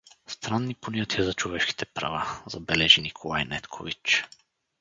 — Странни понятия за човешките права — забележи Николай Недкович.